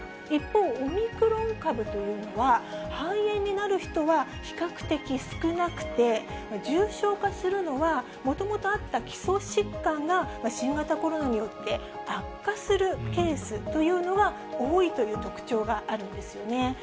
一方、オミクロン株というのは、肺炎になる人は比較的少なくて、重症化するのは、もともとあった基礎疾患が新型コロナによって悪化するケースというのが多いという特徴があるんですよね。